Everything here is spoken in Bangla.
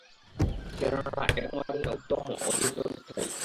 কেননা, এটা তোমার জন্যে উত্তম ও অধিকতর স্থায়ী।